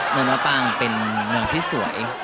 น้องมะปังเป็นหนึ่งที่สวย